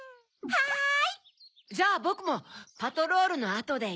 はい！